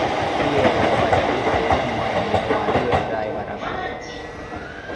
Afiyeevo opatari khuwela mmwatiya wari weethaye parapaattho.